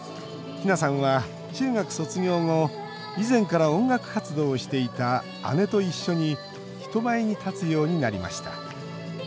ひなさんは中学卒業後以前から音楽活動をしていた姉と一緒に人前に立つようになりました。